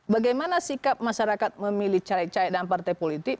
bagaimana sikap masyarakat memilih cahaya cahaya dalam partai politik